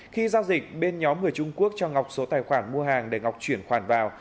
khi giao dịch bên nhóm người trung quốc cho ngọc số tài khoản mua hàng để ngọc chuyển khoản vào